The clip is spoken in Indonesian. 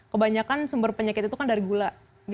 kebanyakan sumber penyakit itu kan dari gula